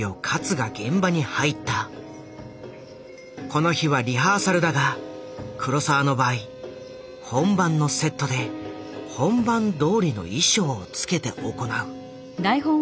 この日はリハーサルだが黒澤の場合本番のセットで本番どおりの衣装をつけて行う。